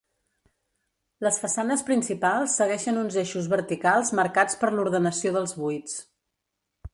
Les façanes principals segueixen uns eixos verticals marcats per l'ordenació dels buits.